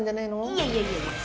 いやいやいやいや。